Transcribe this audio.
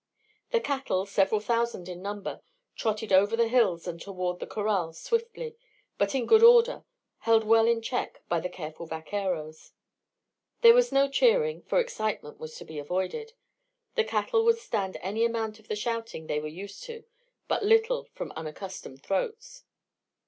The cattle, several thousand in number, trotted over the hills and toward the corral swiftly, but in good order, held well in check by the careful vaqueros. There was no cheering, for excitement was to be avoided. The cattle would stand any amount of the shouting they were used to, but little from unaccustomed throats.